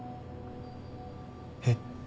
えっ？